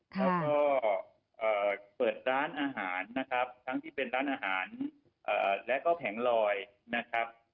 แล้วก็เปิดร้านอาหารนะครับทั้งที่เป็นร้านอาหารและก็แผงลอยนะครับ